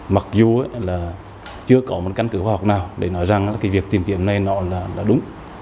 mặc dù là chưa có một căn cứ khoa học nào để nói rằng là cái việc tìm kiếm này nó là đúng